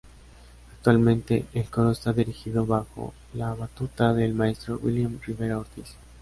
Actualmente, el Coro está dirigido bajo la batuta del Maestro William Rivera Ortiz.